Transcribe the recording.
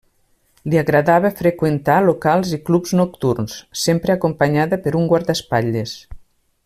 Li agradava freqüentar locals i clubs nocturns, sempre acompanyada per un guardaespatlles.